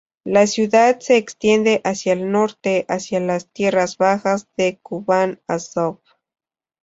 La ciudad se extiende hacia el norte, hacia las tierras bajas de Kubán-Azov.